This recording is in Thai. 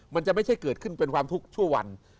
มันจะไม่ใช่เกิดขึ้นเป็นความทุกข์ชั่ววัน